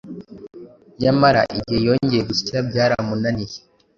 nyamara igihe yongeye gusya byaramunaniye,